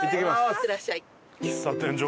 いってらっしゃい。